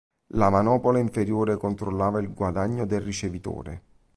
La manopola inferiore controllava il guadagno del ricevitore.